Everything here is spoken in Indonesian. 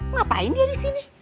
ngapain dia di sini